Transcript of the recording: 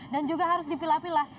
dan juga harus dipilah pilah